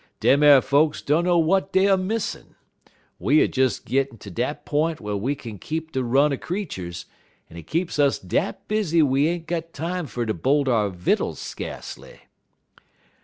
Dem ar folks dunner w'at dey er missin'. We er des gittin' ter dat p'int whar we kin keep de run er creeturs, en it keeps us dat busy we ain't got time fer ter bolt our vittles skacely.